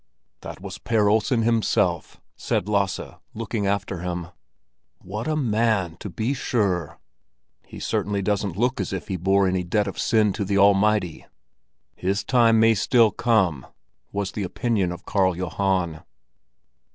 "That was Per Olsen himself," said Lasse, looking after him. "What a man, to be sure! He certainly doesn't look as if he bore any debt of sin to the Almighty." "His time may still come," was the opinion of Karl Johan.